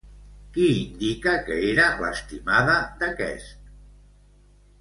Qui indica que era l'estimada d'aquest?